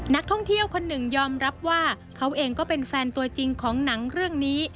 นักท่องเที่ยวคนหนึ่งยอมรับว่าเขาเองก็เป็นแฟนตัวจริงของหนังเรื่องนี้